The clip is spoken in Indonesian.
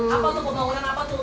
apa tuh pembangunan apa tuh